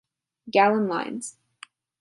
Gallen lines.